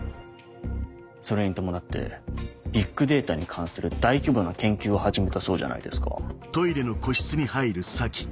それに伴ってビッグデータに関する大規模な研究を始めたそうじゃないですか。